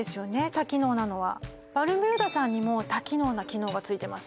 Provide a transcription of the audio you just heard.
多機能なのはバルミューダさんにも多機能な機能がついてます